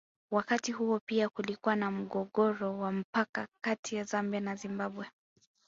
Wakati huo pia kulikuwa na mgogoro wa mpaka kati ya Zambia na Zimbabwe